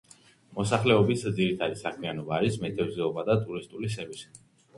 მოსახლეობის ძირითადი საქმიანობა არის მეთევზეობა და ტურისტული სერვისები.